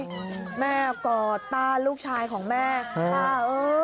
โอ้โฮแม่กอดต้านลูกชายของแม่ค่ะโอ้โฮ